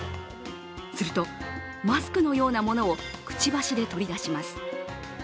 するとマスクのようなものをくちばしで取り出します。